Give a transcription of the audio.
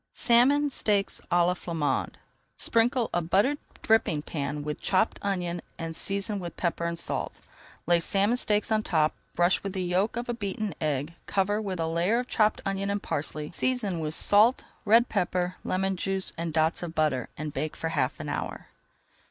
SALMON STEAKS À LA FLAMANDE Sprinkle a buttered dripping pan with chopped onion, and season with pepper and salt. Lay salmon steaks on top, brush with the yolk of a beaten egg, cover with a layer of chopped onion and parsley, season with salt, red pepper, lemon juice, and dots of butter, and bake for half an hour.